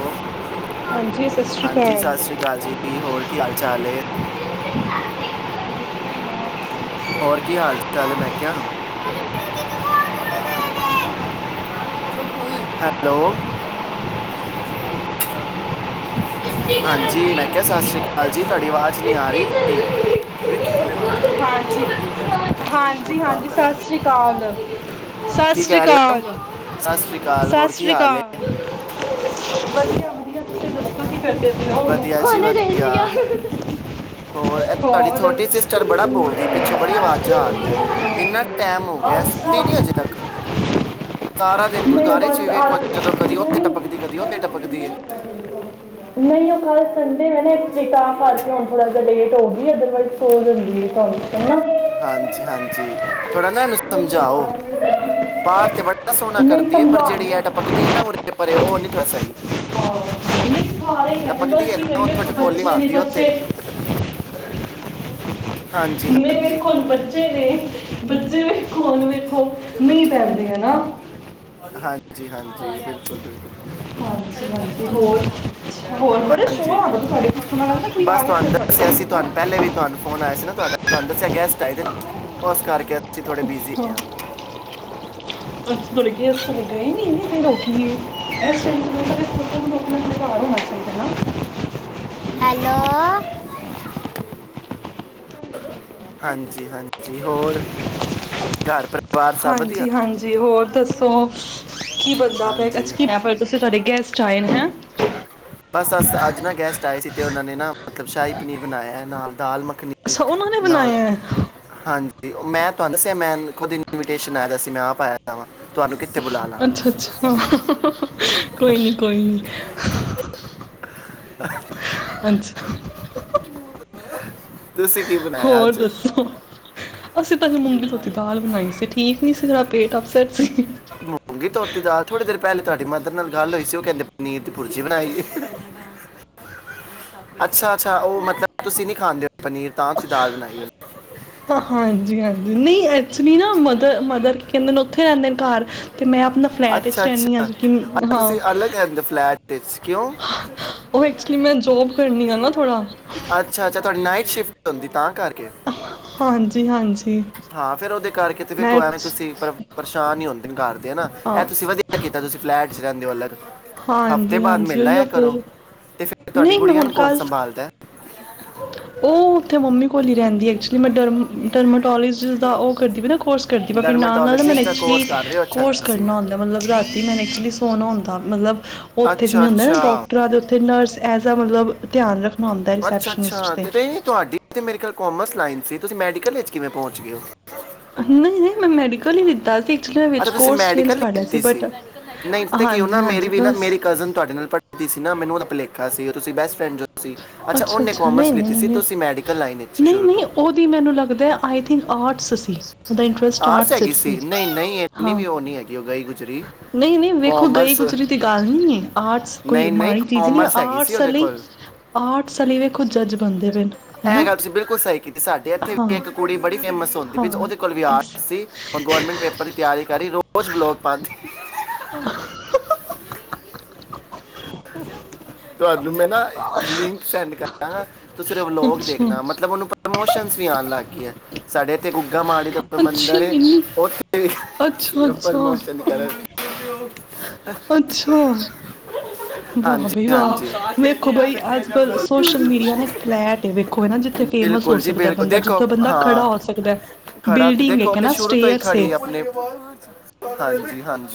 ਔਹ ਹਾਂਜੀ ਸਤਿ ਸ਼੍ਰੀ ਹਾਂਜੀ। ਅਕਾਲ ਸਤਿ ਸ੍ਰੀ ਅਕਾਲ ਜੀ, ਹੋਰ ਕੀ ਹਾਲ ਚਾਲ ਏ। ਹੋਰ ਕੀ ਹਾਲ ਚਾਲ ਐ, ਮੈਂ ਕਿਹਾ। ਹੈਲੋ ਹਾਂਜੀ। ਮੈਂ ਕਿਹਾ ਸਤਿ ਸ੍ਰੀ ਅਕਾਲ ਜੀ ਤੁਹਾਡੀ ਆਵਾਜ਼ ਨੀ ਆ ਰਹੀ। ਮੈਂ ਕਹਿ ਕਿ ਤੂੰ ਹੋਰ ਹਾਂਜੀ। ਹਾਂਜੀ। ਖਰਾਬ ਕਰਨਾ ਸਤਿ ਵੇ ਸ਼੍ਰੀ ਅਕਾਲ ਸਤਿ ਕੀ ਸ਼੍ਰੀ ਕਹਿ ਰਹੇ ਹੋ ਅਕਾਲ। ਸਤਿ ਸ਼੍ਰੀ ਅਕਾਲ ਸਤਿ ਹੋਰ ਕੀ ਸ਼੍ਰੀ ਹਾਲ ਹੈ ਅਕਾਲ। [inaudible] ਵਧੀਆ-ਵਧੀਆ ਤੁਸੀਂ ਦੱਸੋ। ਵਧੀਆ ਜੀ ਹੁਣੇ ਵਧੀਆ ਦੇਨੀ ਆ। ਹੋਰ ਇਹ ਤੁਹਾਡੀ ਹੋਰ [inaudible] ਜਾ ਇੰਨਾ ਟੈਮ ਹੋ ਗਿਆ ਅੱਛਾ ਸੁੱਤੀ ਨੀ ਹਜੇ ਤੱਕ ਸਾਰਾ ਦਿਨ ਨਹੀਂ ਗੁਰਦੁਆਰੇ ਚ ਬਸ ਵੀ ਵੇਖੋ ਅੱਜ ਜਦੋਂ ਕਦੀ ਓਥੇ ਨਹੀਂ ਟਪਕਦੀ ਕਦੀ ਓਥੇ ਟਪਕਦੀ ਹੈ। ਨਹੀਂ ਉਹ ਕੱਲ ਸੰਡੇ ਵੀ ਤਾ ਕਰ ਕੇ ਉਹ ਥੋੜਾ ਜਿਹਾ ਲੇਟ ਹੋ ਗਈ ਅਦਰਵਾਈਜ਼ ਸੋਂ ਜਾਂਦੀ ਹੈ ਥਵਾਨੂੰ ਪਤਾ ਹਨਾ। ਹਾਂਜੀ। ਹਾਂਜੀ। ਥੋੜਾ ਨਾ ਇਹਨੂੰ ਸਮਝਾਓ ਪਾਠ ਤੇ ਬੜਾ ਸੋਹਣਾ ਨਹੀਂ ਕਰਦੀ ਹੈ। ਪਰ ਜਿਹੜੀ ਸਮਝਾਉਂਦੇ ਆ ਟਪਕਦੀ ਹੈ ਨਾ ਉਰੇ ਪਰ ਉਹ ਨੀ ਥੋੜਾ ਸਹੀ ਨਹੀਂ ਸਾਰੇ ਕਹਿੰਦੇ ਟਪਕਦੀ ਬਸ ਹੈ ਕੀ ਨਾ ਕਰੀਏ ਉਥੋਂ ਵੇਖੋ ਟਕੋਲੀ ਬੱਚੇ ਨੇ ਮਾਰਦੀ ਉੱਥੇ ਬੱਚੇ ਹਾਂਜੀ-ਹਾਂਜੀ। ਬੱਚੇ ਨੇ [inaudible] ਫੋਨ ਵੀ ਮੀਂਹ ਪੈਂਦੇ ਹੈ ਨਾ ਹਾਂਜੀ ਹਾਂਜੀ ਬਿਲਕੁਲ ਬਿਲਕੁਲ ਹਾਂਜੀ ਹਾਂਜੀ ਹੋਰ ਹੋਰ ਬੜੇ ਸ਼ੋਰ ਹਾਂਜੀ ਆ ਬੜਾ ਤੁਹਾਡੇ ਪਿੱਛੋਂ ਮੈਨੂੰ ਲੱਗਦਾ ਕੋਈ ਆ ਬਸ ਗਿਆ ਨਾ ਤੁਹਾਨੂੰ ਤੁਹਾਡੇ ਦੱਸਿਆ ਕੋਲ ਅਸੀ ਨਾ ਤੁਹਾਨੂੰ ਪਹਿਲੇ ਵੀ ਤੁਹਾਨੂੰ ਫੋਨ ਆਇਆ ਸੀ ਨਾ ਤੁਹਾਡਾ ਤੁਹਾਨੂੰ ਦੱਸਿਆ ਗੈਸਟ ਆਏ ਦਿਨ ਉਸ ਕਰਕੇ ਅਸੀਂ ਥੋੜੇ ਬਿਜੀ ਹਾਂ ਅੱਥ ਤੁੜੇ ਗ ਅ ਗਏ ਨੀਰ ਹੋਣਾ ਚਾਹੀਦਾ ਹੈਲੋ ਹਾਂਜੀ ਹਾਂਜੀ ਹੋਰ ਘਰ ਪਰਿਵਾਰ ਸਭ ਵਧੀਆ ਹਾਂਜੀ ਹਾਂਜੀ ਹੋਰ ਦੱਸੋ ਕੀ ਬੰਦਾ ਪਿਆ ਹਾਂਜੀ ਕੀ ਤੁਸੀਂ ਤੁਡੇ ਗੈਸਟ ਚਾਈਨ ਹੈ ਬਸ ਅਸ ਅੱਜ ਨਾ ਗੈਸਟ ਸੀ ਤੇ ਉਹ ਨੇ ਨਾ ਮਤਲਬ ਸ਼ਾਹੀ ਪਨੀਰ ਬਣਾਇਆ ਨਾਲ ਦਾਲ ਮ ਸੋ ਨਾਲ ਹਾਂਜੀ ਮੈਂ ਤੁਹਾਨੂੰ ਦੱਸਿਆ ਮੈਂੁਦਨ ਇਨੇਸ਼ਨ ਆਇਆ ਸੀ ਮੈਂ ਆਪ ਆਇਆ ਜਾ ਵਾ ਅੱਛਾ ਅੱਛਾ ਕੋਈ ਨੀ ਕੋਈ ਨੀ ਅੱਛਾ [inaudible] ਤੁਸੀਂ ਕੀ ਬਣਾਇਆ ਹੋਰ ਅੱਜ ਦੱਸੋ ਅਸੀਂ ਤੁਹਾਨੂੰ ਮੰਮੀ ਤੋਂੋ ਦੀ ਦਾਲ ਬਣਾਈ ਸੀ ਠੀਕ ਸੀ ੜਾ ਪੇਟ ਅਪਸੈਟ ਸੀ ਮੂੰਗੀ ਧੋਤੀ ਦ ਥੋੜ੍ਹੀ ਦੇਰ ਪਹਿਲੇ ਤੁਹਾਡੀ ਮਦਰ ਨਾਲ ਗੱਲ ਹੋਈ ਸੀ ਉਹ ਕਹਿੰਦੇ ਪਨੀਰ ਦੀ ਪੁਰਜੀ ਬਣਾਈ ਅੱਛਾ ਅੱਛਾ ਉਹ ਮਤਲਬ ਤੁਸੀਂ ਨੀ ਖਾਂਦੇ ਹੋ ਪਨੀਰ ਤਾਂ ਤੁਸੀਂ ਦਾਲ ਬਣਾਈ ਹੋ ਹਾਂਜੀ ਹਾਂਜੀ ਨਹੀਂ ਅੱਛਾ ਨਾ ਮਦਰ ਕੀ ਕਹਿੰਦੇ ਨੇ ਉੱਥੇ ਰਹਿੰਦੇ ਨੇ। ਘਰ ਤੇ ਮੈਂ ਆਪਣਾ ਫਲੈਟ ਵਿੱਚ ਅੱਛਾ ਰਹਿੰਦੀ ਹਾਂ ਅੱਛਾ ਕਿਉਂਕਿ ਹਾਂ। ਇਚ ਕਿਉਂ ਉਹ ਐਕਚੁਲੀ ਮੈਂ ਜੋਬ ਕਰਨੀ ਆ ਨਾ ਥੋੜ੍ਹਾ ਅੱਛਾ-ਅੱਛਾ ਤੁਹਾਡੀ ਨਾਈ ਸ਼ਿਫਟ ਹੁੰਦੀ ਤਾਂ ਕਰ ਹਾਂਜੀ-ਹਾਂਜੀ ਹਾਂ ਫੇਰ ਉਹਦੇ ਕਰਕੇ ਤੇ ਫੇ ਕੋ ਐਵੇਂ ਤੁਸੀਂ ਪਰੇਸ਼ਾਨ ਹੀ ਹੁੰਦੇ ਘਰ ਦੇ ਹਨਾ ਇਹ ਹਾਂ ਤੁਸੀਂ ਵਧੀਆ ਕੀਤਾ ਤੁਸੀਂ ਐਡਸ ਰਹਿੰਦੇ ਹੋ ਅਲੱਗ। ਹਫ਼ਤੇ ਹਾਂਜੀ ਬਾਅਦ ਹਾਂਜੀ ਮਿਲ ਉਹੀਓ ਆਯਾ ਕਰੋ ਫਿਰ ਤੇ ਫਿਰ ਤੁਹਾਡੀ ਨਹੀਂ ਮੈਂ ਗੁੜੀਆ ਹੁਣ ਨੂੰ ਕੌਣ ਕੱਲ੍ਹ ਸੰਭਾਲਦਾ। ਉਹ ਉੱਥੇ ਮੰਮੀ ਕੋਲ ਹੀ ਰਹਿੰਦੀ ਐਕਚੁਲੀ ਮੈਂ ਡਰਮ ਡਰਮਾਟੋਲੀਸ ਦਾ ਉਹ ਕਰਦੀ ਵੀ ਨਾ ਕੋਰਸ ਕਰਦੀ ਵਾ ਫਿਰ ਨਾਲ -ਨਾਲ ਨਾ ਮੈਨੂੰ ਡਰਮੇਟੋਲੋਜਿਸਟ ਦਾ ਐਕਚੁਲੀ ਕੋਰਸ ਕਰ ਰਹੇ ਹੋ ਅੱਛਾ ਕੋਰਸ ਤੁਸੀਂ ਕਰਨਾ ਹੁੰਦਾ ਮਤਲਬ ਰਾਤੀ ਮੈਨੂੰ ਐਕਚੁਲੀ ਸੋਣਾ ਹੁੰਦਾ ਮਤਲਬ ਉਹ ਉੱਥੇ ਅੱਛਾ ਜਿਵੇਂ ਹੁੰਦਾ ਨਾ ਅੱਛਾ ਡੋਕਟਰਾਂ ਅਤੇ ਉੱਥੇ ਨਰਸ ਐਜ ਆ ਮਤਲਬ ਧਿਆਨ ਰੱਖਣਾ ਹੁੰਦਾ। ਅੱਛਾ-ਅੱਛਾ ਤੇ ਤੁਹਾਡੀ ਤੇ ਮੇਰ ਖਿਆਲ ਕਾਮਰਸ ਲਾਈਨ ਸੀ ਤੁਸੀਂ ਮੈਡੀਕਲ ਵਿੱਚ ਕਿਵੇਂ ਪਹੁੰਚ ਗਏ ਹੋ? ਨਹੀਂ-ਨਹੀਂ ਮੈਂ ਮੈਡੀਕ ਕੱਲ ਹੀ ਲਿਤਾ ਸੀ। ਐਕਚੁਲੀ ਮੈਂ ਵਿੱਚ ਅੱਛਾ ਤੁਸੀਂ ਕੋਰਸ ਚੇਂਜ ਮੈਡੀਕਲ ਕਰ ਲਿਆ ਲਿਤੀ ਬਟ ਸੀ ਨਹੀਂ ਪਤਾ ਕਿ ਹਾਂਜੀ ਨਾ ਮੇਰੀ ਹਾਂਜੀ ਵੀ ਨਾ ਬਸ ਮੇਰੀ ਕਜ਼ਨ ਤੁਹਾਡੇ ਨਾਲ ਪੜ੍ਹਦੀ ਸੀ ਨਾ ਮੈਨੂੰ ਉਹਦਾ ਭਲੇਖਾ ਸੀ। ਤੁਸੀ ਬੈਸ ਫਰੈਂਡ ਜੋ ਸੀ ਅੱਛਾ ਉਹਨੇ ਅੱਛਾ-ਅੱਛਾ ਕਾਮਰਸ ਲਿੱਤੀ ਸੀ ਨਹੀਂ-ਨਹੀਂ, ਤੁਸੀਂ ਮੈਡੀਕਲ ਲਾਈਨ ਵਿੱਚ ਸ਼ੁਰੂ ਤੋਂ ਨਹੀਂ-ਨਹੀਂ ਉਹਦੀ ਮੈਨੂੰ ਲੱਗਦਾ ਆਈ ਥਿੰਕ ਆਰਟਸ ਸੀ। ਉਹਦਾ ਇੰਟਰਸਟ ਆਸ ਆਰਟਸ ਹੈਗੀ ਵਿੱਚ ਸੀ ਨਹੀਂ ਨਹੀਂ ਇਨੀ ਵੀ ਉਹ ਨਹੀਂ ਹੈਗੀ ਉਹ ਗਈ ਗੂ ਨਹੀਂ-ਨਹੀਂ ਵੇਖੋ ਗਈ ਗੁਜਰੀ ਦੀ ਗੱਲ ਨਹੀਂ ਹੈ ਆਰਟਸ ਕੋਈ ਨਹੀਂ ਨਹੀਂ ਮਾੜੀ ਚੀਜ਼ ਹੀ ਨਹੀਂ ਕਾਮਰਸ ਹੈਗੀ ਸੀ ਆਰਟਸ ਉਹਦੇ ਆਲੇ, ਕੋਲ ਆਰਟਸ ਆਲੇ ਵੇਖੋ ਜੱਜ ਬਣਦੇ ਪਏਨੇ ਇਹ ਹਨਾ। ਗੱਲ ਤੁਸੀਂ [unintelligible] ਵਿੱਚ ਉਹਦੇ ਕੋਲ ਵੀ ਆਰਟਸ ਸੀ ਹੁਣ ਗੌਰਮੈਂਟ ਪੇਪਰ ਦੀ ਤਿਆਰੀ ਕਰੀ ਰੋਜ਼ ਬਲੋਕ ਪਾਂਦੀ ਆ ਤੁਹਾ ਮੈਂ ਨਾ ਲਿੰਕ ਸੈਂਡ ਕਰਨਾ ਤੁਸੀਂ ਉਦੇ ਵਲੋਗ ਅੱਛਾ ਦੇਖਣਾ ਮਤਲਬ ਉਹਨੂੰ ਪ੍ਰਮੋਸ਼ਨ ਵੀ ਆਉਣ ਲੱਗ ਗਈ ਹੈ ਸਾਡੇ ਇੱਥੇ ਗੂਲ ਗੁਗਾ ਮਾੜੀ ਦਾ ਅੱਛਾ ਮੰਦਰ ਇੰਨੀ ਹ ਉੱਥੇ ਅੱਛਾ ਅੱਛਾ ਪਰਮੋਸ਼ਨ ਕਰਨ ਅੱਛਾ ਵਾਹ ਹਾਂਜੀ ਬਈ ਹਾਂਜੀ ਵਾਹ ਵੇਖੋ ਬਾਈ ਅੱਜ ਕੱਲ ਸੋਸ਼ਲ ਮੀਡੀਆ ਨੇ ਇੱਕ ਫਲੈਟ ਵੇਖੋ ਜਿੱਥੇ ਫੇਮਸ ਹੋ ਬਿਲਕੁਲ ਜੀ ਸਕਦਾ ਬਿਲਕੁਲ ਬੰਦਾ ਦੇਖੋ ਜਿੱਥੋਂ ਬੰਦਾ ਖੜਾ ਹਾਂ ਹੋ ਸਕਦਾ ਖੜਾ ਤੇ ਬਿਲਡਿੰਗ ਦੇਖੋ ਇੱਕ ਤੇ ਹਨਾ ਸ਼ੁਰੂ ਸਟੇਅਰਸ ਏ। ਹਾਂਜੀ-ਹਾਂਜੀ।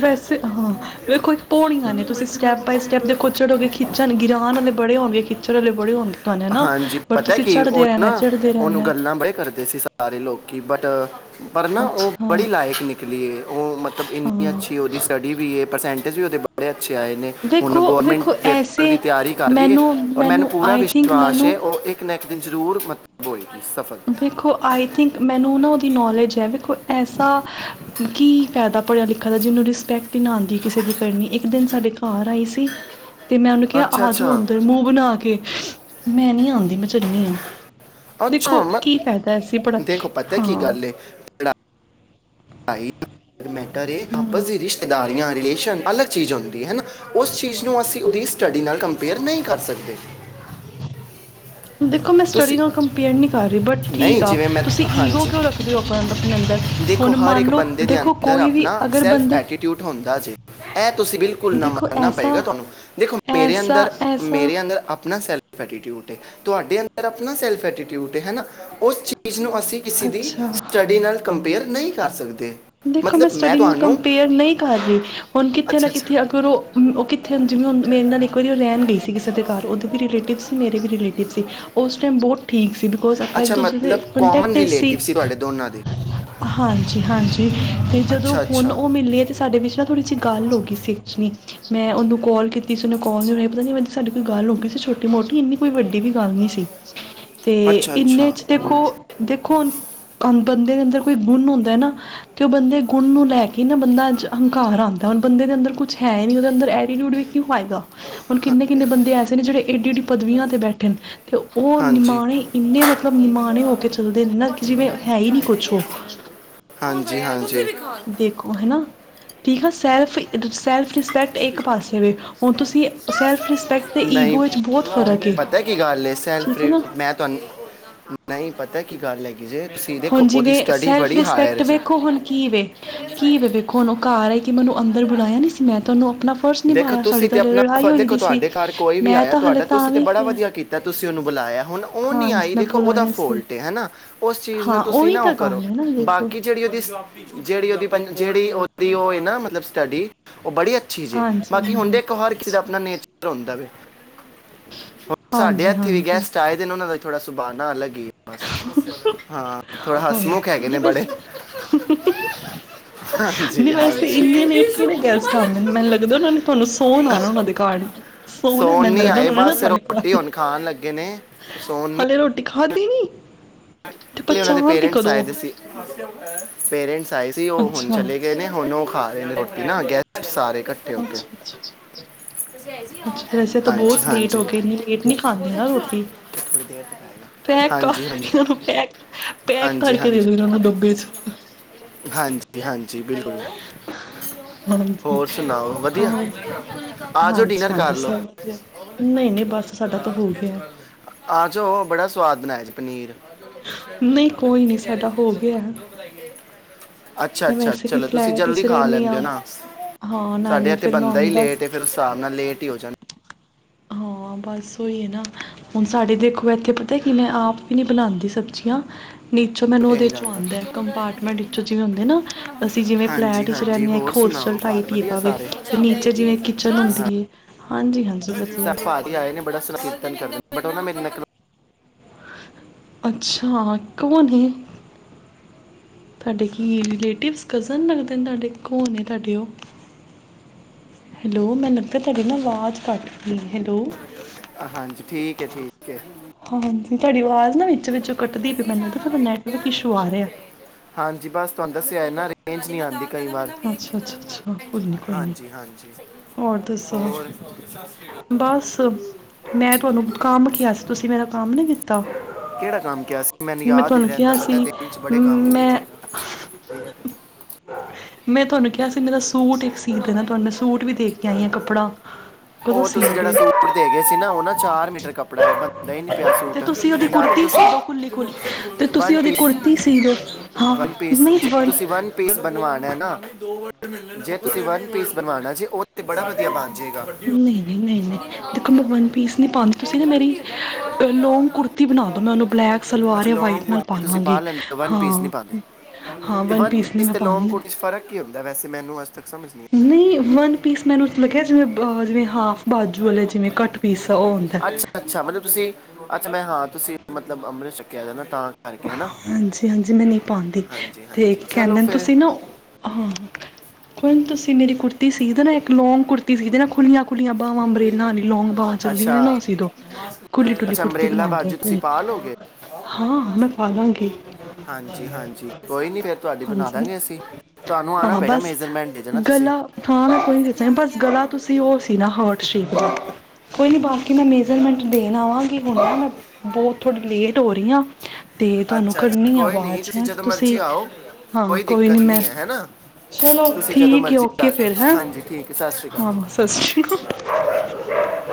ਵੈਸੇ ਹਾਂ ਵੇਖੋ ਜੀ। ਪੋੜੀਆਂ ਨੇ ਤੁਸੀਂ ਸਟੈਪ ਬਾਏ ਸਟੈਪ ਦੇਖੋ ਚੜੋਗੇ ਖਿੱਚਣ ਗੀਰਾਨ ਵਾਲੇ‌ ਬੜ ਹੋਣਗੇ, ਖਿੱਚਣ ਵਾਲੇ ਬੜੇ ਹੋਣਗੇ। ਤੁਹਾਨੂੰ ਹਨਾ ਹਾਂਜੀ ਪਰ ਪਤਾ ਤੁਸੀਂ ਕਿ ਉਹ ਚੜ੍ਹਦੇ ਰਹਿਣਾ ਨਾ ਚੜ੍ਹਦੇ ਉਹਨੂੰ ਰਹਿਣਾ ਗੱਲਾਂ ਬੜੇ ਕਰਦੇ ਸੀ, ਸਾਰੇ ਲੋਕੀ ਬਟ ਪਰ ਨਾ ਉਹ ਅੱਛਾ ਬੜੀ ਲਾਇਕ ਨਿਕਲੀ ਹੈ। ਉਹ ਮਤਲਬ ਇੰਨੀ ਹਾਂ ਅੱਛੀ ਉਹਦੀ ਸਟੱਡੀ ਵੀ ਹੈ। ਪ੍ਰਸੈਂਟ ਵੀ ਉਹਦੇ ਬੜਿਆ ਅੱਛੇ ਆਏ ਨੇ ਹੁਣ ਵੇਖੋ ਗੌਰਮੈਂਟ ਵੇਖੋ ਪੇਪਰ ਦੀ ਐਸੇ ਤਿਆਰੀ ਕਰ ਰਹੀ ਹੈ ਮੈਨੂੰ ਔਰ ਮੈਨੂੰ ਪੂਰਾ ਆਈ ਵਿਸ਼ ਥਿੰਕ ਟਰਾਸਸ਼ ਮੈਨੂੰ ਉਹ ਇੱਕ ਇੱਕ ਦਿਨ ਜਰੂਰ ਮਤਲਬ ਹੋਏ ਵੇਖੋ ਆਈ ਥਿੰਕ ਮੈਨੂੰ ਨਾ ਉਹਦੀ ਨਾਲੇਜ ਹੈ ਐਸਾ ਕੀ ਫਾਇਦਾ ਪੜ੍ਹਿਆ ਲਿਖਿਆ ਦਾ ਜਿਹਨੂੰ ਰਿਸਪੈਕਟ ਨਾ ਆਦੀ ਕਿਸੇ ਦੀ ਕਰਨੀ ਇੱਕ ਦਿਨ ਸਾਡੇ ਘਰ ਆਈ ਸੀ ਤੇ ਮੈਂ ਉਹਨੂੰ ਕਿਹਾ ਅੱਛਾ ਆ ਜਾਓ ਅੱਛਾ ਅੰਦਰ ਮੂੰਹ ਬਣਾ ਕੇ ਮੈਂ ਨੀ ਆਂਦੀ ਮੈਂ ਚੱਲਣੀ ਆਂ ਅੱਛਾ ਮ ਕੀ ਫਾਇਦਾ ਐਸੀ ਪੜ੍ਹਾ ਹਾਂ [unintelligible] ਬੇਹਤਰ ਏ ਆਪਸ ਹੂੰ ਦੀ ਰਿਸ਼ਤੇਦਾਰੀਆਂ ਰਿਲੇਸ਼ਨ ਅਲੱਗ ਚੀਜ਼ ਹੁੰਦੀ ਹੈ ਨਾ ਉਸ ਚੀਜ਼ ਨੂੰ ਅਸੀਂ ਉਦੀ ਸਟਡੀ ਨਾਲ ਕੰਪੇਅਰ ਨਹੀਂ ਕਰ ਸਕਦੇ ਅਸੀਂ ਦੇਖੋ ਮੈਂ ਸਟਡੀ ਨਾਲ ਕੰਪੇਅਰ ਨਹੀਂ ਕਰ ਰਹੀ, ਬਟ ਠੀਕ ਨਹੀਂ ਆ ਜਿਵੇਂ ਮੈਂ ਤੁਸੀਂ ਈਗੋ ਹਾਂਜੀ ਕਿਉਂ ਰੱਖਦੇ ਹੋ ਆਪਣਾ ਅ ਆਪਣੇ ਅੰਦਰ ਦੇਖੋ ਹੁਣ ਹਰ ਮੰਨ ਇੱਕ ਲਓ ਬੰਦੇ ਦੇ ਦੇਖੋ ਅੰਦਰ ਕੋਈ ਵੀ ਆਪਣਾ ਅਗਰ ਸੈਲਫ ਬੰਦੇ ਐਟੀਟਿਊਡ ਹੁੰਦਾ [unintelligible] ਤੁਸੀਂ ਬਿਲਕੁਲ ਨਾ ਦੇਖੋ ਮੰਨ ਨਾ ਐਸਾ ਪਏਗਾ ਤੁਹਾਨੂੰ ਦੇਖੋ ਮੇਰੇ ਐਸਾ ਅੰਦਰ ਐਸਾ ਮੇਰੇ ਅੰਦਰ ਆਪਣਾ ਸੈਲਫ ਐਟੀਟਿਊਡ ਏ ਤੁਹਾਡੇ ਅੰਦਰ ਆਪਣਾ ਸੈਲਫ ਐਟੀਟਿਊਡ ਏ ਹੈ ਨਾ ਉਸ ਚੀਜ਼ ਨੂੰ ਤੁਸੀਂ ਕਿਸੇ ਦੀ ਅੱਛਾ ਸਟਡੀ ਨਾਲ ਕੰਪੇਅਰ ਨਹੀਂ ਕਰ ਸਕ ਦੇਖੋ ਮੈਂ ਸਟੱਡੀ ਨਾਲ ਕੰਪੇਅਰ ਨਹੀਂ ਕਰ ਰਹੀ ਹੁਣ ਕਿੱਥੇ ਨਾ ਅੱਛਾ ਅੱਛਾ ਕਿੱਥੇ ਅਗਰ ਉਹ ਉਹ ਕਿੱਥੇ ਜਿਵੇਂ ਹੁਣ ਮੇਰੇ ਨਾਲ ਇੱਕ ਵਾਰੀ ਉਹ ਰਹਿਣ ਗਈ ਉਹ ਸਾਡੇ ਘਰ ਉਹਦੇ ਵੀ ਰਿਲੇਟਿਵ ਸੀ, ਮੇਰੇ ਵੀ ਰਿਲੇਟਿਵ ਸੀ, ਉਸ ਟਾਈਮ ਬਹੁਤ ਠੀਕ ਸੀ ਬਿਕੋਜ਼ ਆਪਾਂ ਇੱਕ ਅੱਛਾ ਦੂਜੇ ਦੇ ਮਤਲਬ ਕਾਮਨ ਕੰਟੈਕਟ ਚ ਸੀ। ਰਿਲੇਟਿਵ ਤੁਹਾਡੇ ਦੋਨਾਂ ਦੇ ਹਾਂਜੀ-ਹਾਂਜੀ। ਤੇ ਜਦੋਂ ਅੱਛਾ ਹੁਣ ਅੱਛਾ ਉਹ ਮਿਲੀ ਹੈ ਤੇ ਸਾਡੇ ਵਿੱਚ ਥੋੜੀ ਜੀ ਗੱਲ ਹੋ ਗਈ ਸੀ ਐਕਚੁਲੀ ਮੈਂ ਉਹਨੂੰ ਕਾਲ ਕੀਤੀ ਸੀ ਉਹਨੇ ਕਾਲ ਨੂੰ ਰੇ ਪਤਾ ਨਹੀਂ ਮੈਂ ਤੇ ਸਾਡੀ ਕੋਈ ਗੱਲ ਹੋ ਗਈ ਸੀ ਛੋਟੀ ਮੋਟੀ ਇਨੀ ਕੋਈ ਵੱਡੀ ਵੀ ਗੱਲ ਨਹੀਂ ਸੀ। ਤੇ ਅੱਛਾ ਇੰਨੇ ਅੱਛਾ 'ਚ ਦੇਖੋ ਹੁਣ ਬੰਦੇ ਦੇ ਅੰਦਰ ਕੋਈ ਗੁਣ ਹੁੰਦਾ ਹੈ ਨਾ ਕਿ ਉਹ ਬੰਦੇ ਗੁਣ ਨੂੰ ਲੈ ਕੇ ਨਾ ਬੰਦਾ ਅ ਹੰਕਾਰ ਆਉਂਦਾ ਹੁਣ ਬੰਦੇ ਦੇ ਅੰਦਰ ਕੁਛ ਹੈ ਹੀ ਨਹੀਂ ਉਹਦੇ ਅੰਦਰ ਤੇ ਐਟੀਟਿਊਡ ਦਾ ਕੀ ਫਾਇਦਾ ਹੁਣ ਕਿੰਨੇ ਕਿੰਨੇ ਬੰਦੇ ਐਸੇ ਨੇ ਜਿਹੜੇ ਏਡੀੇ ਏਡੀ ਪਦਵੀਆਂ ਤੇ ਬੈਠੇ ਨੇ ਉਹ ਹਾਂਜੀ ਨਿਮਾਣੇ ਇੰਨੇ ਮਤਲ ਨਿਮਾਣੇ ਹੋ ਕੇ ਚੱਲਦੇ ਨੇ ਨਾ ਕਿ ਜਿਵੇਂ ਹੈ ਹੀ ਨੀ ਕੁਛ ਉਹ ਜੀ ਹਾਂਜੀ ਦੇਖੋ ਹਨਾ ਠੀਕ ਆ ਸੈਲਫ ਸੈਲਫ ਰਿਸਪੈਕਟ ਇੱਕ ਪਾਸੇ ਵੈ ਹੁਣ ਤੁਸੀਂ ਸੈਲਫ ਰਿਸ ਨਹੀਂ ਪਤਾ ਕੀ ਗੱਲ ਹੈ ਸੈਲਫ ਠੀਕ ਹੈ ਨਾ ਮੈਂ ਤੁਹਾਨੂੰ ਨਹੀਂ ਪਤਾ ਕੀ ਗੱਲ ਜੇ ਤੁਸੀਂ ਹੁਣ ਦੇਖੋ ਉਹਦੀ ਜਿਵੇਂ ਸਟੱਡੀ ਸੈਲਫ ਬੜੀ ਹਾਇਰ ਰਿਸਪੈਕਟ ਜੇ ਵੇਖੋ ਹੁਣ ਕੀ ਵ ਕੀ ਵ ਵੇਖੋ ਹੁਣ ਉਹ ਘਰ ਹੈ ਕਿ ਮੈਨੂੰ ਅੰਦਰ ਬੁਲਾਇਆ ਨਹੀਂ ਸੀ ਮੈਂ ਤੁਹਾਨੂੰ ਆਪਣਾ ਫਰਜ਼ ਦੇਖੋ ਨਿਭਾਇਆ ਸਾਡੇ ਤੁਸੀਂ ਤੇ ਤਾਂ ਹਲੇ ਆਪਣਾ ਲੜਾਈ ਹੋਈ ਦੇਖੋ ਦੀ ਸੀ ਤੁਹਾਡੇ ਘਰ ਕੋਈ ਵੀ ਮੈਂ ਆਇਆ ਤਾਂ ਹਲੇ ਤੁਹਾਡਾ ਤਾਂ ਤੁਸੀਂ ਤੇ ਵੀ ਬੜਾ ਕਿਹਾ ਵਧੀਆ ਕੀਤਾ ਤੁਸੀਂ ਉਹਨੂੰ ਬੁਲਾਇਆ ਹੁਣ ਉਹ ਨਹੀਂ ਹਾਂਜੀ ਆਈ ਮੈਂ ਦੇਖੋ ਉਹਦਾ ਬੁਲਾਇਆ ਸੀ ਫੋਲਟ ਹਨਾ ਉਸ ਚੀਜ਼ ਨੂੰ ਹਾਂ ਤੁਸੀਂ ਉਹੀ ਨਾ ਤਾਂ ਉਹ ਕਰੋ ਗੱਲ ਹੈ ਨਾ ਦੇਖੋ ਬਾਕੀ ਜਿਹੜੀ ਉਹਦੀ ਜਿਹੜੀ ਉਹਦੀ ਜਿਹੜੀ ਉਹਦੀ ਉਹ ਨਾ ਮਤਲਬ ਸਟੱਡੀ ਉਹ ਬੜੀ ਅੱਛੀ ਹਾਂਜੀ ਬਾਕੀ ਹੁਣ ਦੇਖੋ ਹਰ ਕਿਸੇ ਦਾ ਅੱਛਾ ਆਪਣਾ ਨੇਚਰ ਹੁੰਦਾ ਵ ਹੁਣ ਸਾਡੇ ਹਾਂਜੀ ਇਥੇ ਵੀ ਹਾਂਜੀ ਗੈਸਟ ਆਏਦੇ ਨੇ ਉਹਨਾਂ ਦਾ ਥੋੜਾ ਸੁਭਾ ਨਾ ਅਲੱਗ ਹੀ ਏ ਬਸ ਹਾਂ ਥੋੜਾ ਹਾਂ ਹਸਮੁਖ ਹੈਗੇ ਨੇ ਇਹ ਬੜੇ ਵੈਸੇ ਹਾਂਜੀ ਨਹੀਂ ਵੈਸੇ ਹਾਂਜੀ ਇੰਨੇ ਲੇਟ ਕਿਹੜੇ ਗੈਸਟ ਆਉਂਦੇ ਨੇ ਮੈਨੂੰ ਲੱਗਦਾ ਤੁਹਾਨੂੰ ਸੌਣ ਆਓਨਾ ਉਹਨਾਂ ਦੇ ਘਰ ਸੌਣ ਆਏ ਉਹ ਨਹੀਂ ਨੇ ਨਾ ਬਸ ਤੁਹਾਡੇ ਰੋਟੀ ਕੋਲ ਹੁਣ ਖਾਣ ਲੱਗੇ ਨੇ ਸੌਣ ਨੀ ਖਾਧੇ ਨਹੀਂ ਤੇ ਉਨ੍ਹਾਂ ਦੇ ਪਛਾਣ ਕੇ ਪੇਰੈਂਟਸ ਆਏ ਕਦੋਂ ਦੇ ਸੀ। ਆਏ ਸੀ ਉਹ ਹੁਣ ਅੱਛਾ ਚਲੇ ਗਏ ਨੇ ਹੁਣ ਉਹ ਖਾ ਰਹੇ ਨੇ ਨਾ ਗੈਸਟ ਸਾਰੇ ਇਕਠੇ ਹੋ ਕੇ ਅੱਛਾ ਅੱਛਾ ਅੱਛਾ ਤੇ ਵੈਸੇ ਤਾਂ ਹਾਂਜੀ ਬਹੁਤ ਲੇਟ ਹਾਂਜੀ ਹੋ ਗਏ ਇੰਨੀ ਲੇਟ ਨਹੀਂ ਖਾਂਦੇ ਨਾ ਰੋਟੀ ਪੈਕ ਕਰ ਹਾਂਜੀ ਹਾਂਜੀ ਇਹਨਾਂ ਪੈਕ ਪੈਕ ਕਰਕੇ ਦੇ ਹਾਂਜੀ ਦੋ ਉਹ ਡੱਬੇ ਚ ਹਾਂਜੀ ਹਾਂਜੀ ਬਿਲਕੁਲ ਹਾਂਜੀ ਹੋਰ ਸੁਣਾਓ ਵਧੀਆ ਹੋਰ ਆ ਜਾਓ ਹਾਂਜੀ ਡਿਨਰ ਹਾਂਜੀ ਕਰ ਲਓ ਸਭ ਵਧੀਆ ਨਹੀਂ ਨਹੀਂ ਬਸ ਸਾਡਾ ਤਾਂ ਹੋ ਗਿਆ ਸੁਆਦ ਬਣਾਇ ਜੀ ਪਨੀਰ ਨਹੀਂ ਕੋਈ ਨਹੀਂ ਕਿੱਥੇ ਕਹਿ ਰਹੇ ਸਾਡਾ ਹੋ ਗਿਆ ਸੀਸੀਧਾਈ [unintelligible] ਅੱਛਾ ਮੈਂ ਅੱਛਾ ਵੈਸੇ ਵੀ ਚਲੋ ਤੁਸੀਂ ਫਲੈਟ ਜਲਦੀ ਇਸ ਖਾ ਰਹਿੰਦੀ ਲੈਂਦੇ ਹਾਂ ਹੋ ਨਾ ਹਾਂ ਸਾਡੇ ਨਾਲੇ ਹੱਥੇ ਫਿਰ ਮੈਂ ਬੰਦਾ ਹੁਣ ਹੀ ਬਸ ਲੇਟ ਫਿਰ ਉਸ ਹਿਸਾਬ ਨਾਲ ਲੇਟ ਹੀ ਹੋ ਜਾਣਾ ਹਾਂ ਬਸ ਹੋਏ ਨਾ ਹੁਣ ਸਾਡੇ ਦੇਖੋ ਇੱਥੇ ਪਤਾ ਕਿ ਮੈਂ ਆਪ ਹੀ ਨਹੀਂ ਬਣਾਉਂਦੀ ਸਬਜ਼ੀਆਂ ਨੀਚੋਂ ਮੈਨੂੰ ਉਹਦੇ ਟਾਈਮ ਚੋਂ ਜਾਂਦਾ ਆਉਂਦਾ ਕੰਪਾਰਟਮੈਂਟ ਵਿਚੋਂ ਜਿਵੇਂ ਹੁੰਦੇ ਨਾ ਅਸੀਂ ਜਿਵੇ ਹਾਂਜੀ ਫਲੈਟ ਵਿਚ ਹਾਂਜੀ ਰਹਿੰਦੇ ਹਾਂ ਇੱਕ ਹੋਰ ਹੋਸਟਲ ਸੁਣਾਓ ਘਰ ਟਾਈਪ ਵਧੀਆ ਹੈਗਾ ਸਾਰੇ ਤੇ ਨੀਚੇ ਜਿਵੇਂ ਕਿਚਨ ਹਾਂ ਹੁੰਦੀ ਹੈ ਹਾਂਜੀ ਹਾਂਜੀ ਵਧੀਆ ਸਭ ਭਾਜੀ ਆਏ ਨੇ ਬੜਾ ਸੰਰ ਕਰਦਾ ਬਟ ਉਹਨਾਂ ਮੇਰੇ ਨਕਲ [unintelligible] ਅੱਛਾ ਕੌਣ ਤੁਹਾਡੇ ਕੀ ਰਿਲੇਟਿਵਸ ਕਜ਼ਨ ਲੱਗਦੇ ਨੇ ਤੁਹਾਡੇ ਕੋੌਣ ਤੁਹਾਡੇ ਉਹ ਹੈਲੋ ਮੈਨੂੰ ਲਗਦਾ ਤੁਹਾਡੀ ਨਾ ਆਵਾਜ਼ ਘੱਟ ਰਹੀ ਹੈਲੋ ਹਾਂਜੀ ਠੀਕ ਹੈ ਠੀਕ ਹਾਂਜੀ ਤੁਹਾਡੀ ਆਵਾਜ਼ ਨਾ ਵਿੱਚ ਵਿੱਚ ਕੱਟਦੀ ਪਈ ਮੈਨੂੰ ਨੈਟਵਰਕ ਇਸ਼ੂ ਆ ਰਿਹਾ ਹਾਂਜੀ ਬਸ ਤੁਹਾਨੂੰ ਦੱਸਿਆ ਹੈਨਾ ਰੇਂਜ ਨਹੀਂ ਆਂਦੀ ਅੱਛਾ ਅੱਛਾ ਅੱਛਾ ਕੋਈ ਨਾ ਕੋਈ ਨਾ ਹਾਂਜੀ ਹਾਂਜੀ ਹੋਰ ਦੱਸੋ ਹੋਰ ਬਸ ਮੈਂ ਤੁਹਾਨੂੰ ਕੰਮ ਕਿਹਾ ਸੀ ਤੁਸੀਂ ਮੇਰਾ ਕੰਮ ਨਹੀ ਕੀਤਾ ਕਿਹੜਾ ਕੰਮ ਕਿਹਾ ਸੀ ਮੈਨੂੰ ਮੈਂ ਯਾਦ ਨਹੀ ਤੁਹਾਨੂੰ ਰਹਿੰਦਾ ਕਿਹਾ ਸੀ ਪਤਾ ਦਿਨ ਚ ਬੜੇ ਕੰਮ ਹੁੰਦੇ ਮੈਂ ਨੇ ਮੈਂ ਤੁਹਾਨੂੰ ਕਿਹਾ ਅਤੇ ਮੇਰਾ ਸੂਟ ਇੱਕ ਸੀ ਦੇਣਾ ਤੁਹਾਨੂੰ ਮੈਂ ਸੂਟ ਵੀ ਦੇ ਕੇ ਆਈ ਹਾਂ ਕੱਪੜਾ ਕਦੋਂ ਸੀਨਾ ਚਾਰ ਮੀਟਰ ਕੱਪੜਾ ਬਣਦਾ ਹੀ ਨਹੀ ਪਿਆ ਤੇ ਸੂਟ ਤੁਸੀਂ ਉਹਦੀ ਜਾਂ ਕੁੜਤੀ ਸੀ ਤੁਸੀਂ ਦਿਓ ਖੁੱਲੀ ਖੁੱਲੀ ਤੇ ਤੁਸੀਂ ਉਹਦੀ ਕੁੜਤੀ ਸੀ ਦਿਓ ਹਾਂ ਨਹੀਂ ਵਨ ਪੀਸ ਬਣਵਾਨਾ ਹੈ ਨਾ ਜੇ ਤੁਸੀਂ ਵਨ ਪੀਸ ਬਣਵਾਉਣਾ ਜੇ ਤੇ ਬੜਾ ਵਧੀਆ ਬਣ ਜਾਏਗਾ ਨਹੀਂ ਨਹੀਂ ਨਹੀਂ ਨਹੀਂ ਦੇਖੋ ਮੈਂ ਵਨ ਪੀਸ ਨੀ ਪਾਉਦੀ ਤੁਸੀਂ ਨਾ ਮੇਰੀ ਲੋਂਂਗ ਕੁੜਤੀ ਬਣਾ ਦੋ ਮੈਂ ਉਹਨੂੰ ਬਲੈਕ ਸਲਵਾਰ ਅੱਛਾ ਜਾਂ ਲੌਂਗ ਵਾਈਟ ਨਾਲ ਕੁੜਤੀ ਤੁਸੀਂ ਪਾ ਪਾਲਾਂਗੀ ਲੈਂਦੇ ਵਨ ਪੀਸ ਹਾਂ ਨਹੀਂ ਪਾਉਂਦੇ ਹਾਂ ਤੇ ਵਨ ਪੀਸ ਨੀ ਮੈਂ ਤੇ ਲੌਂਗ ਪਾਂਦੀ ਕੁੜਤੀ ਚ ਫਰਕ ਕੀ ਹੁੰਦਾ ਮੈਨੂੰ ਤੱਕ ਸਮਝ ਨਹੀਂ ਵਨ ਪੀਸ ਮੈਂਨੂੰ ਮਤਲਬ ਕਿਹਾ ਜਿਵੇਂ ਜਿਵੇਂ ਹਾਫ ਬਾਜੂ ਵਾਲੇ ਜਿਵੇਂ ਕੱਟ ਪੀਸ ਉਹ ਹੁੰਦਾ ਅੱਛਾ ਅੱਛਾ ਮਤਲਬ ਤੁਸੀਂ ਅੱਛਾ ਮੈਂ ਹਾਂ ਤੁਸੀਂ ਮਤਲਬ ਅੰਮ੍ਰਿਤਸਰ ਕੇ ਆ ਜਾਣਾ ਹਾਂਜੀ ਹਾਂਜੀ ਮੈਂ ਨਹੀਂ ਪਾਉਂਦੀ ਹਾਂਜੀ ਤੇ ਹਾਂਜੀ ਚਲੋ ਕਹਿੰਦੇ ਫਿਰ ਤੁਸੀਂ ਨਾ ਹਾਂ ਕੋਈ ਨਹੀਂ ਤੁਸੀਂ ਮੇਰੀ ਕੁੜਤੀ ਤੀ ਸੀ ਨਾ ਇੱਕ ਲੋਂਗ ਕੁੁਰਤੀ ਸੀ ਨਾ ਖੁੱਲੀਆਂ ਖੁੱਲੀਆਂ ਖੁੱਲੀਆਂ ਬਾਹਵਾਂ ਅੰਬਰੇਲਾਂ ਲੌਂਗ ਬਾਂਵਾ ਚੱਲਦੀਆਂ ਅੱਛਾ ਨੇ ਨਾ ਸੀ ਦੋ ਕੁੁੱਲੀ ਢੁਲੀ ਅੱਛਾ ਕੁੜਤੀ ਅੰਬ੍ਰੇਲਾ ਬਣਾ ਬਾਜੂ ਦੋ ਤੁਸੀਂ ਪਾ ਲੋਗੇ ਹਾਂ ਮੈਂ ਪਾ ਲਾਂਗੀ ਹਾਂਜੀ ਹਾਂਜੀ ਕੋਈ ਨਹੀਂ ਫਿਰ ਤੁਹਾਡੀ ਬਣਾ ਹਾਂਜੀ ਦਾਂਗੇ ਅਸੀਂ ਤੁਹਾਨੂੰ ਆਣਾ ਹਾਂ ਪਏਗਾ ਬਸ ਮੇਜ਼ਰਮੈਂਟ ਦੇ ਜਾਣਾ ਤੁਸੀਂ ਗਲਾ ਹਾਂ ਮੈਂ ਕੋਈ ਨੀ ਦੱਸਾਂ ਬਸ ਗਲਾ ਤੁਸੀਂ ਉਹ ਸੀਨਾ ਹਾਂ ਸ਼੍ਰੀਕ [unintelligible] ਕੋਈ ਨਹੀਂ ਬਾਕੀ ਮੈਂ ਮੇਜ਼ਰਮੈਂਟ ਦੇਣ ਆਵਾਂਗੀ ਕਿ ਹੁੰਦਾ ਮੈਂ ਬਹੁਤ ਥੋੜ੍ਹੀ ਲੇਟ ਹੋ ਰਹੀ ਹ ਤੇ ਤੁਹਾਨੂੰ ਅੱਛਾ ਅੱਛਾ ਕਰਨੀ ਕੋਈ ਨਹੀਂ ਆਵਾਜ਼ ਹੈ ਜਦੋਂ ਮਰਜ਼ੀ ਤੁਸੀਂ ਆਓ ਹਾਂ ਕੋਈ ਨੀ ਦਿੱਕਤ ਮੈਂ ਨਹੀਂ ਹੈ ਹੈਨਾ ਚਲੋ ਤੁਸੀਂ ਜਦੋਂ ਠੀਕ ਆ ਮਰਜ਼ੀ ਓਕੇ ਫਿਰ ਹੈਂ ਹਾਂਜੀ ਠੀਕ ਹੈ ਸਤਿ ਸ਼੍ਰੀ ਅਕਾਲ ਹਾਂ ਜੀ ਸਤ ਸ਼੍ਰੀ ਅਕਾਲ